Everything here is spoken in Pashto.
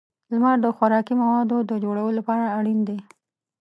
• لمر د خوراکي موادو د جوړولو لپاره اړین دی.